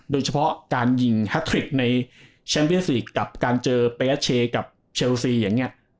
โดยเฉพาะการยิงฮัททริกในแชมพีเอสลีกกับการเจอเปรียชเชกับเชลสีอย่างเงี้ย